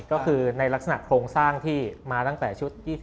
ก็คือในลักษณะโครงสร้างที่มาตั้งแต่ชุด๒๐